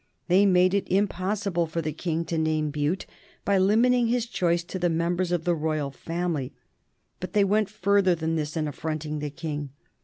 They made it impossible for the King to name Bute by limiting his choice to the members of the royal family. But they went further than this in affronting the King.